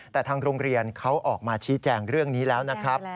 แต่ทางโรงเรียนเขาออกมาชี้แจงเรื่องนี้แล้วนะครับ